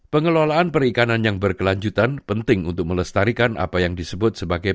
pengelolaan perikanan yang berkelanjutan penting untuk melestarikan apa yang disebut sebagai